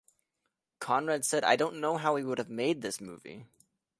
Conran said, I don't know how we would have made this movie.